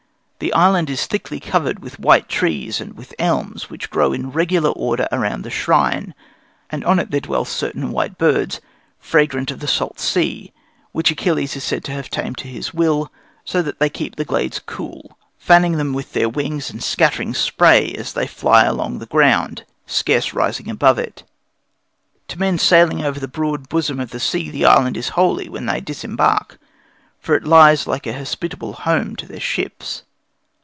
The island is thickly covered with white trees and with elms, which grow in regular order round the shrine; and on it there dwell certain white birds, fragrant of the salt sea, which Achilles is said to have tamed to his will, so that they keep the glades cool, fanning them with their wings and scattering spray as they fly along the ground, scarce rising above it. To men sailing over the broad bosom of the sea the island is holy when they disembark, for it lies like a hospitable home to their ships.